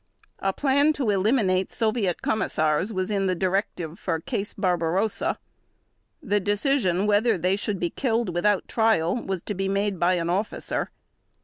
A plan to eliminate Soviet commissars was in the directive for "Case Barbarossa". The decision whether they should be killed without trial was to be made by an officer.